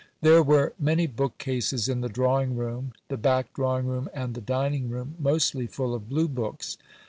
There were many bookcases in the drawing room, the back drawing room, and the dining room, mostly full of Blue books.